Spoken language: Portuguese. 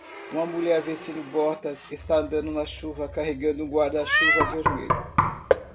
Uma mulher vestindo botas está andando na chuva carregando um guarda-chuva vermelho.